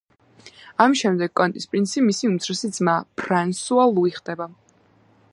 ამის შემდეგ კონტის პრინცი მისი უმცროსი ძმა ფრანსუა ლუი ხდება.